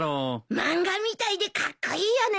漫画みたいでカッコイイよね。